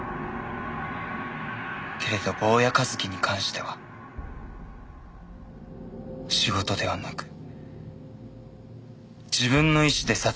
けれど坊谷一樹に関しては仕事ではなく自分の意志で殺害しました。